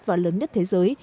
và lớn nhất thế giới